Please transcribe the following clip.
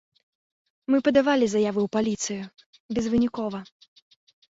Мы падавалі заявы ў паліцыю, безвынікова.